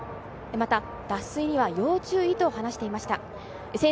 また脱水には要注意と話していました。